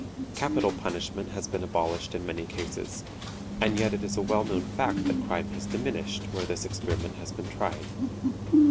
Capital punishment has been abolished in many cases, and yet it is a well known fact that crime has diminished where this experiment has been tried.